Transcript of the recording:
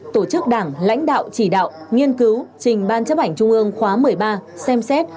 tổ chức đảng lãnh đạo chỉ đạo nghiên cứu trình ban chấp hành trung ương khóa một mươi ba xem xét